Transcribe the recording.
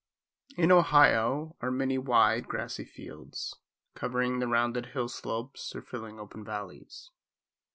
In Ohio are many wide, grassy fields, covering the rounded hillslopes or filling open valleys.